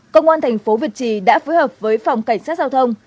công an thành phố việt trì đã phối hợp với phòng cảnh sát giao thông